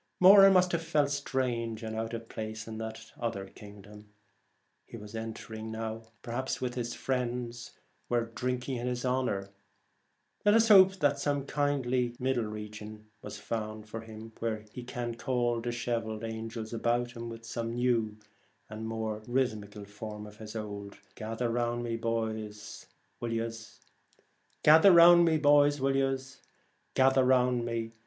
Moran must have felt strange and out of place in that other kingdom he was entering, perhaps while his friends were drinking in his honour. Let us hope that some kindly middle region was found for him, where he can call dishevelled 89 The angels about him with some new and Twilight, more rhythmical form of his old Gather round me, boys, will yez Gather round me?